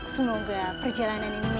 semoga perjalanan ini menyenangkan